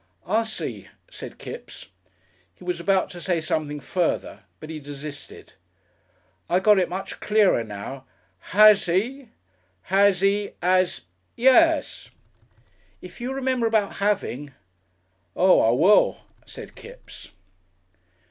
"I see," said Kipps. He was about to say something further, but he desisted. "I got it much clearer now. Has 'e? Has 'e as. Yes." "If you remember about having." "Oo I will," said Kipps.